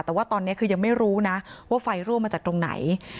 แต่ว่าตอนนี้คือยังไม่รู้นะว่าไฟรั่วมาจากตรงไหน